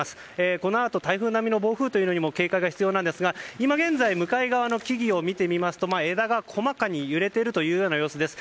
このあと台風並みの暴風にも警戒が必要なんですが今現在向かい側の木々を見てみますと枝がこまかに揺れているというような様子です。